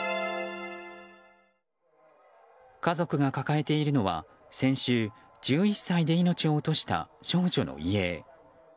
家族が抱えているのは先週、１１歳で命を落とした少女の遺影。